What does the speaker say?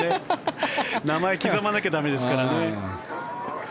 名前を刻まなきゃ駄目ですからね。